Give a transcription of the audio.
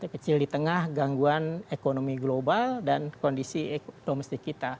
kecil di tengah gangguan ekonomi global dan kondisi domestik kita